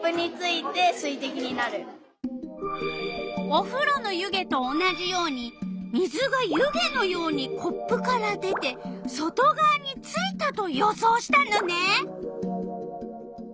おふろの湯気と同じように水が湯気のようにコップから出て外がわについたと予想したのね！